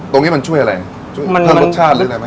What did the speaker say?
ตรงนี้มันช่วยไรภังรสชาติหรืออะไรไหม